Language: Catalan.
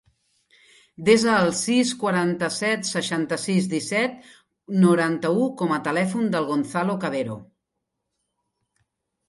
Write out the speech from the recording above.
Desa el sis, quaranta-set, seixanta-sis, disset, noranta-u com a telèfon del Gonzalo Cavero.